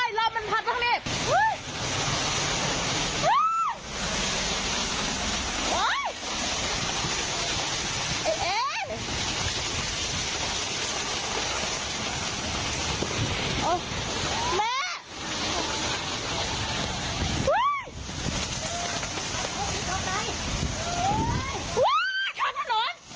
หนักเข้าไปว้าข้ามถนน